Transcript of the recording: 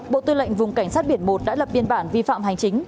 bộ tư lệnh vùng cảnh sát biển một đã lập biên bản vi phạm hành chính